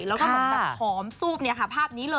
แล้วก็แบบผอมซูบภาพนี้เลยนะ